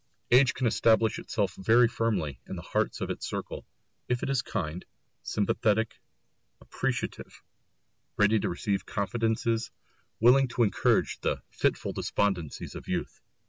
Age can establish itself very firmly in the hearts of its circle, if it is kind, sympathetic, appreciative, ready to receive confidences, willing to encourage the fitful despondencies of youth.